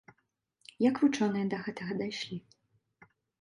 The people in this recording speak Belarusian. Як вучоныя да гэтага дайшлі?